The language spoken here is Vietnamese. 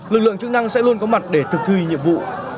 lực lượng chức năng sẽ luôn có mặt để thực thi nhiệm vụ